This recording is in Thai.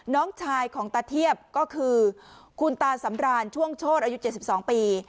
น้องชายของตาเทียบก็คือคุณตาสำราญช่วงโชธอายุ๗๒ปี